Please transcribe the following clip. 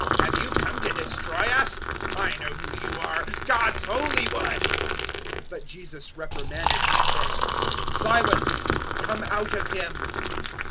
Have you come to destroy us? I know who you are God's Holy One." 001:025 But Jesus reprimanded him, saying, "Silence! come out of him."